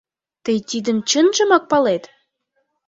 — Тый тидым чынжымак палет?